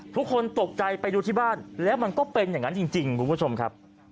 ทุกคนตกใจไปดูที่บ้านแล้วมันก็เป็นอย่างนั้นจริงคุณผู้ชมครับ